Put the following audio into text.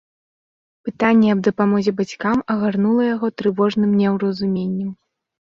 Пытанне аб дапамозе бацькам агарнула яго трывожным неўразуменнем.